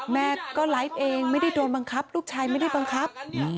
แม่ก็ไลฟ์เองไม่ได้โดนบังคับลูกชายไม่ได้บังคับ